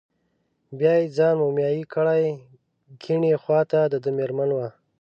بیا یې ځان مومیا کړی، کیڼې خواته دده مېرمن وه.